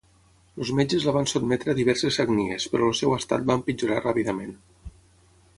Els metges la van sotmetre a diverses sagnies, però el seu estat va empitjorar ràpidament.